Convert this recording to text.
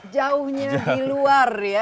jauhnya di luar ya